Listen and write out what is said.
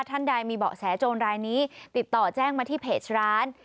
ท่านใดมีเบาะแสโจรรายนี้ติดต่อแจ้งมาที่เพจร้าน